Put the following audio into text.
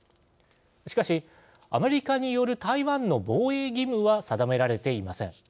しかし、アメリカによる台湾の防衛義務は定められていません。